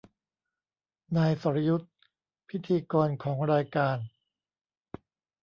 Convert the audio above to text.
นายสรยุทธพิธีกรของรายการ